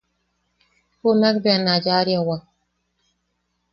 Junak bea na yaʼariawak.